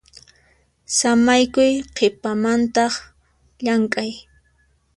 Samaykuy qhipamantaq llamk'ay.